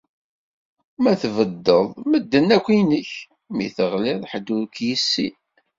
Mi tbedded, medden akk inek; mi teɣliḍ, ḥedd ur k-issin.